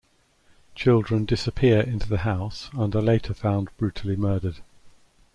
Children disappear into the house and are later found brutally murdered.